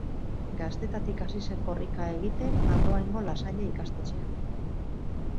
Gaztetatik hasi zen korrika egiten Andoaingo La Salle ikastetxean.